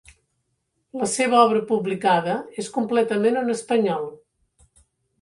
La seva obra publicada és completament en espanyol.